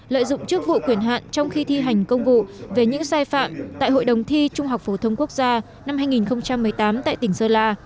lợi dụng chức vụ quyền hạn trong khi thi hành công vụ về những sai phạm tại hội đồng thi trung học phổ thông quốc gia năm hai nghìn một mươi tám tại tỉnh sơn la